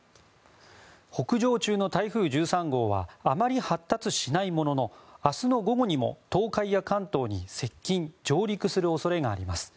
北上中の台風１３号はあまり発達しないものの明日の午後にも東海や関東に接近・上陸する恐れがあります。